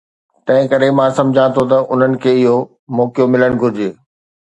تنهنڪري مان سمجهان ٿو ته انهن کي اهو موقعو ملڻ گهرجي.